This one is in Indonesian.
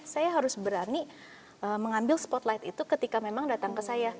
saya harus berani mengambil spotlight itu ketika memang datang ke saya